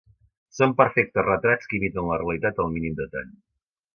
Són perfectes retrats que imiten la realitat al mínim detall.